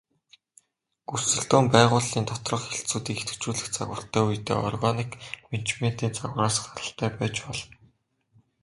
Өрсөлдөөн байгууллын доторх хэлтсүүдийг идэвхжүүлэх загвартай үедээ органик менежментийн загвараас гаралтай байж болно.